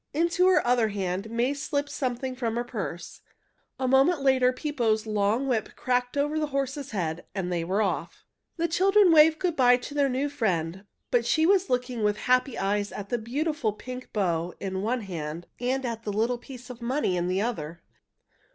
Into her other hand May slipped something from her purse. A moment later Pippo's long whip cracked over the horses' heads, and they were off. The children waved good by to their new friend, but she was looking with happy eyes at the beautiful pink bow in one hand and at the little piece of money in the other.